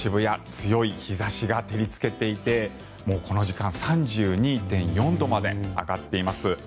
強い日差しが照りつけていてこの時間３２．４度まで上がっています。